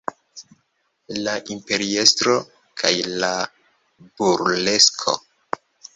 La imperiestro kaj la burlesko.